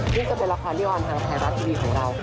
นี่ก็จะเป็นละครที่วันทางไทยบาร์ททีวีของเรา